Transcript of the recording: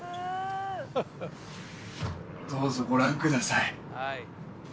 どうぞご覧ください